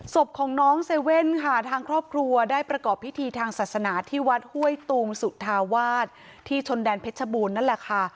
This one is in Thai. ศพของน้องเซเว่นค่ะทางครอบครัวได้ประกอบพิธีทางศาสนาที่วัดห้วยตุงสุธาวาสที่ชนแดนเพชรบูรณ์นั่นแหละค่ะ